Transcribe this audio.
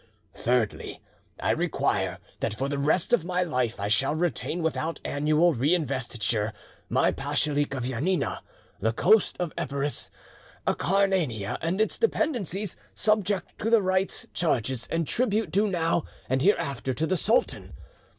Thirdly, I require that for the rest of my life I shall retain, without annual re investiture, my pachalik of Janina, the coast of Epirus, Acarnania and its dependencies, subject to the rights, charges and tribute due now and hereafter to the sultan.